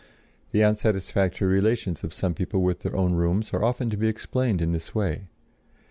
The unsatisfactory relations of some people with their rooms are often to be explained in this way.